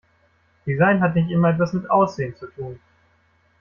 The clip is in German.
Design hat nicht immer etwas mit Aussehen zu tun.